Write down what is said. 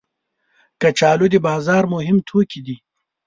کچالو د بازار مهم توکي دي